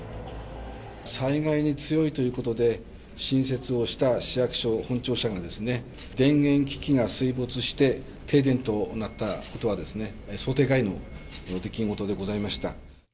災害に強いということで、新設をした市役所本庁舎がですね、電源機器が水没して停電となったことはですね、想定外の出来事でございました。